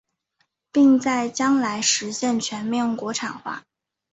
并在将来实现全面国产化。